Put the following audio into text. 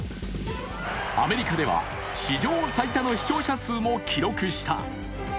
アメリカでは史上最多の視聴者数も記録した。